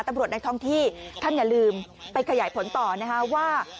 ตำรวจนักท่องที่ท่านอย่าลืมไปขยายผลต่อนะฮะว่า